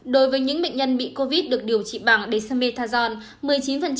đối với những bệnh nhân bị covid được điều trị bằng dsseton